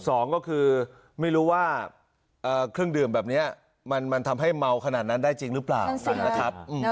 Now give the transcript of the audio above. สองก็คือไม่รู้ว่าเครื่องดื่มแบบนี้มันทำให้เมาขนาดนั้นได้จริงหรือเปล่านะครับ